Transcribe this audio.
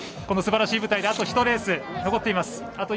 このすばらしい舞台であと１レース、残っています。